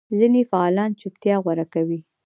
ځینې فعالان چوپتیا غوره کوي.